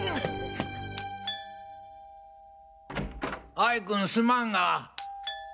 哀君すまんが。